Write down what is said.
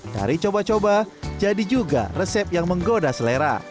dari coba coba jadi juga resep yang menggoda selera